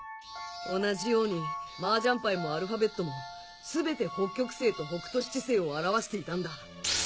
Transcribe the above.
同じようにマージャンパイもアルファベットも全て北極星と北斗七星を表していたんだ。